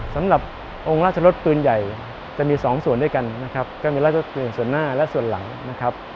สำหรับองค์ราชรสปืนใหญ่จะมีสองส่วนด้วยกันนะครับก็มีราชรสปืนส่วนหน้าและส่วนหลังนะครับ